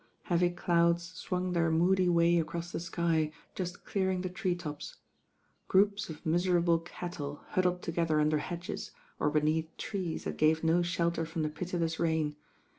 Heavy clouds swung their moody way across the sky, just clearing the tree tops. Groups of miserable cat tle huddled togetheFuhder hedges, or beneath trees that gave no shelter from the pitiless rain.